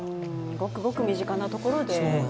ごくごく身近なところで。